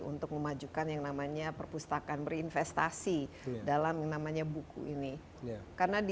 untuk memajukan yang namanya perpustakaan berinvestasi dalam yang namanya buku ini karena di